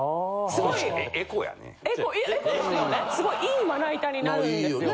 すごい良いまな板になるんですよ。